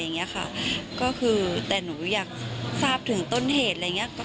ค่ะก็คือแต่หนูอยากทราบถึงต้นเหตุอะไรอย่างเงี้ย